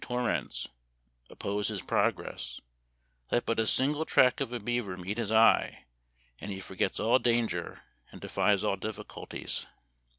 torrents oppose his progress, let but a single track of a beaver meet his eye and he forgets all danger and defies all difficulties.